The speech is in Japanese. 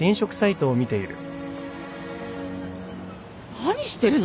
・何してるの？